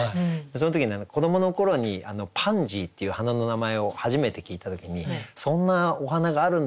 その時に子どもの頃にパンジーっていう花の名前を初めて聞いた時にそんなお花があるんだって思って。